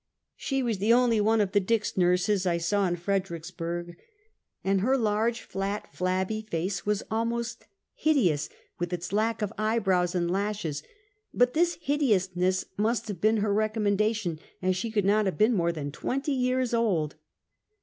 She was the only one of the Dix' nurses I saw in Fredricksburg, and her large, flat, flabby face was al most hideous with its lack of eye brows and lashes; but this hideousness must have been her recommen dation, as she could not have been more than twenty years old.